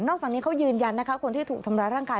จากนี้เขายืนยันนะคะคนที่ถูกทำร้ายร่างกาย